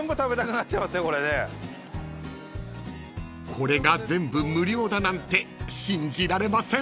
［これが全部無料だなんて信じられません］